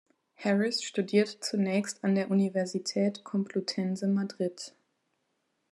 Harris studierte zunächst an der Universität Complutense Madrid.